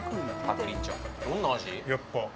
どんな味？